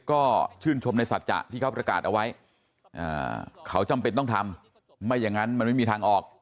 ก็ชื่นชมในสัจจะที่เขาประกาศเอาไว้เขาจำเป็นต้องทำไม่อย่างนั้นมันไม่มีทางออก